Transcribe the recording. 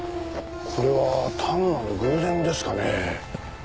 これは単なる偶然ですかねえ？